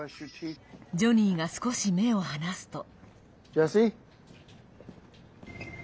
ジョニーが少し目を離すと。